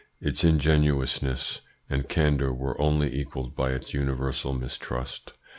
Its ingenuousness and candour were only equalled by its universal mistrust.